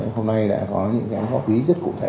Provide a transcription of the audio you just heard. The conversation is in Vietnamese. hôm nay đã có những góp ý rất cụ thể